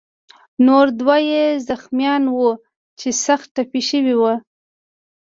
نور دوه یې زخمیان وو چې سخت ټپي شوي وو.